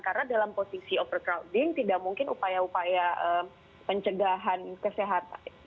karena dalam posisi overcrowding tidak mungkin upaya upaya pencegahan kesehatan